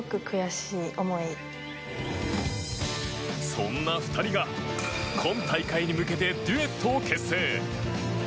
そんな２人が、今大会に向けてデュエットを結成。